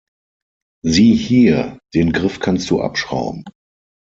Sieh hier, den Griff kannst du abschrauben.